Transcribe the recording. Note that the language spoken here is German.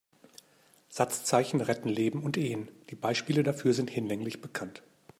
Satzzeichen retten Leben und Ehen, die Beispiele dafür sind hinlänglich bekannt.